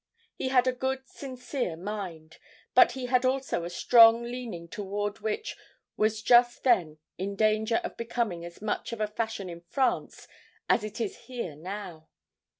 He had a good, sincere mind, but he had also a strong leaning toward which was just then in danger of becoming as much of a fashion in France as it is here now.